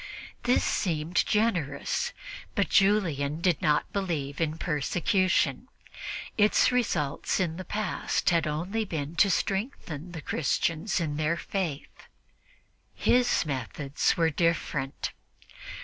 This seemed generous, but Julian did not believe in persecution; its results in the past had only been to strengthen the Christians in their faith. His methods were different.